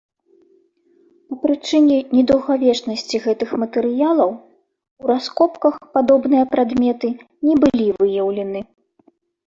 Па прычыне недаўгавечнасці гэтых матэрыялаў у раскопках падобныя прадметы не былі выяўлены.